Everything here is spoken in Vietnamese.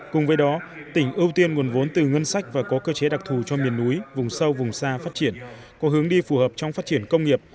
cùng với đó tỉnh ưu tiên nguồn vốn từ ngân sách và có cơ chế đặc thù cho miền núi vùng sâu vùng xa phát triển có hướng đi phù hợp trong phát triển công nghiệp